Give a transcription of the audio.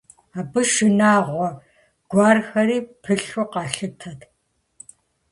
Абы шынагъуэ гуэрхэри пылъу къалъытэрт.